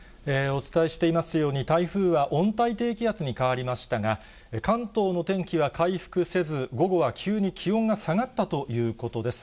お伝えしていますように、台風は温帯低気圧に変わりましたが、関東の天気は回復せず、午後は急に気温が下がったということです。